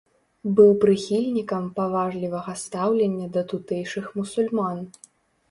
Быў прыхільнікам паважлівага стаўлення да тутэйшых мусульман.